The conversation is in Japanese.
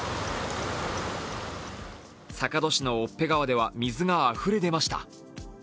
坂戸市の越辺川では水があふれ出ました。